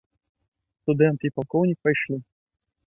Студэнт і палкоўнік пайшлі.